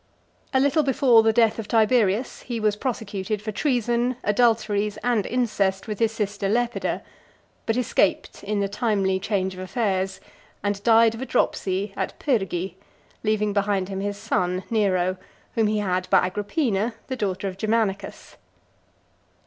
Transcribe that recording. A little before the death of Tiberius, he was prosecuted for treason, adulteries, and incest with his sister Lepida, but escaped in the timely change of affairs, and died of a dropsy, at Pyrgi ; leaving behind him his son, Nero, whom he had by Agrippina, the daughter of Germanicus.